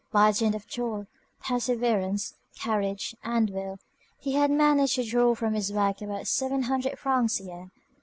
By dint of toil, perseverance, courage, and will, he had managed to draw from his work about seven hundred francs a year.